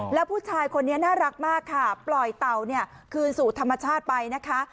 แล้วผู้ชายคนนี้น่ารักมากค่ะปล่อยเต่าเนี่ยคืนสู่ธรรมชาติไปนะคะ